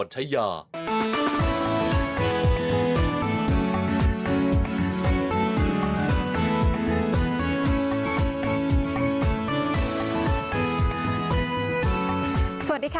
สวัสดีค่ะพบกับช่วงนี้สวัสดีค่ะ